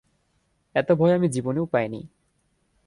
এত ভয় আমি জীবনেও পাইনি।